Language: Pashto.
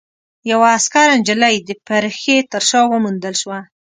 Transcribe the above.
يوه عسکره نجلۍ د پرښې تر شا وموندل شوه.